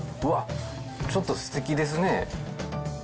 うわ、ちょっとすてきですね。